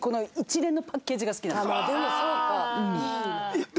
でもそうか。